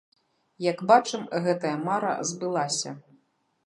Як бачым, гэтая мара збылася.